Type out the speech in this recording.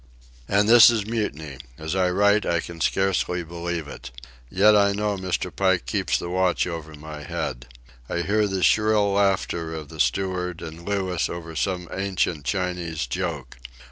And this is mutiny! As I write I can scarcely believe it. Yet I know Mr. Pike keeps the watch over my head. I hear the shrill laughter of the steward and Louis over some ancient Chinese joke.